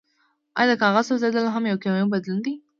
ایا د کاغذ سوځیدل هم یو کیمیاوي بدلون دی